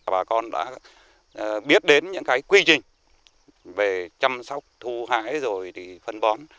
bà con đã biết đến những quy trình về chăm sóc thu hãi phân bón